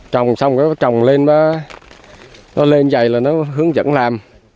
trồng xong có trồng lên nó lên dày là nó hướng dẫn làm